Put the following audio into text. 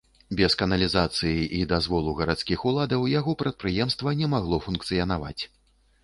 Без каналізацыі і дазволу гарадскіх уладаў яго прадпрыемства не магло функцыянаваць.